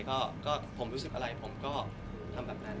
ก็ผมรู้สึกอะไรผมก็ทำแบบนั้น